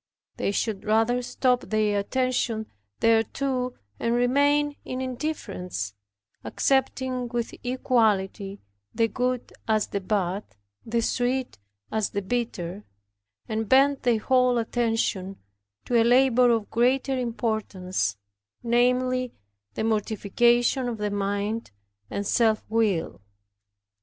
They should rather drop their attention thereto, and remain in indifference, accepting with equality the good as the bad, the sweet as the bitter, and bend their whole attention to a labor of greater importance; namely, the mortification of the mind and self will.